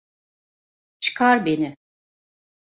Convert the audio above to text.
Çıkar beni!